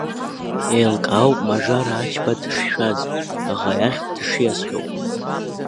Еилкаауп Мажара Ачба дышшәаз, аӷа иахь дшиасхьоу.